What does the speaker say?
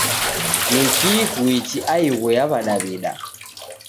Nikii Kuichi aighu ya wadawida